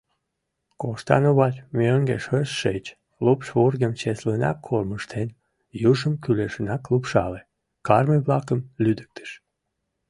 Коштановат мӧҥгеш ыш шич, лупш вургым чеслынак кормыжтен, южым кӱлешынак лупшале, карме-влакым лӱдыктыш.